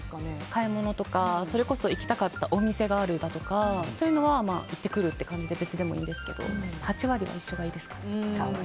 買い物とかそれこそ行きたかったお店があるだとかそういうのは行ってくるって感じで別でもいいですけど８割は一緒がいいですね。